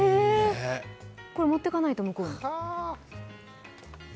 これ持っていかないと、向こうに。